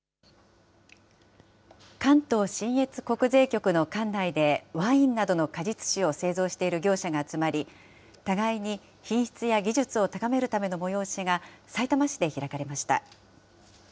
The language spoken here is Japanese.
関東信越国税局の管内で、ワインなどの果実酒を製造している業者が集まり、互いに品質や技術を高めるための催しがさいたま市で開かれました。